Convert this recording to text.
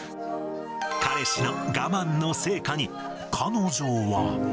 彼氏の我慢の成果に、彼女は。